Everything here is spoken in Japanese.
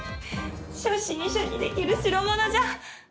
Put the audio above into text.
初心者にできる代物じゃ。